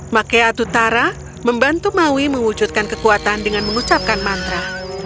makea atutara membantu maui mewujudkan kekuatan dengan mengucapkan mantra